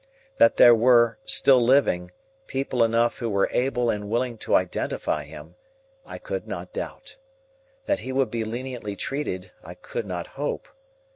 That there were, still living, people enough who were able and willing to identify him, I could not doubt. That he would be leniently treated, I could not hope.